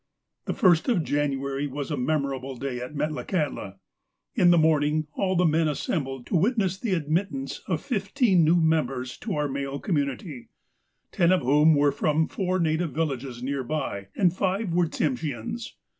" The ist of January was a memorable day at Metlakahtla. In the morning, all the men assembled to witness the admit tance of fifteen new members to our male community, ten of whom were from four native villages near by, and five were Tsimsheans.